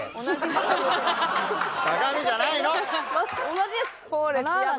同じやつ。